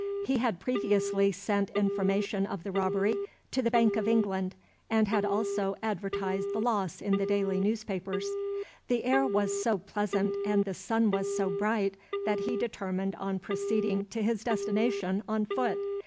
He had previously sent information of the robbery to the Bank of England, and had also advertised the loss in the daily newspapers. The air was so pleasant, and the sun was so bright, that he determined on proceeding to his destination on foot.